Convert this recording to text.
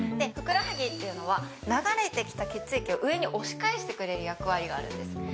ふくらはぎは、流れてきて血液を上に押し返してくれる役割があるんです。